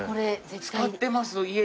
使ってます家で。